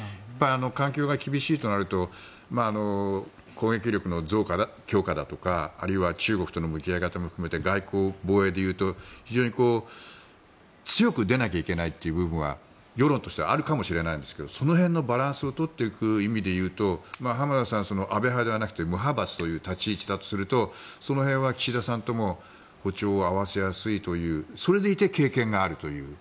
環境が厳しいとなると攻撃力の強化だとかあるいは中国との向き合い方も含めて外交・防衛で言うと非常に強く出なきゃいけないという部分は世論としてはあるかもしれないんですがその辺のバランスを取っていく意味で言うと浜田さんは安倍派ではなく無派閥という立ち位置だとするとその辺は岸田さんとも歩調を合わせやすいというそれでいて経験があるという。